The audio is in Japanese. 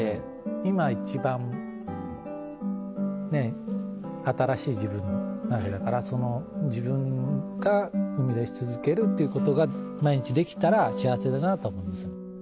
今一番新しい自分なわけだからその自分が生み出し続けるっていうことが毎日できたら幸せだなとは思いますよね。